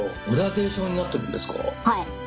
はい。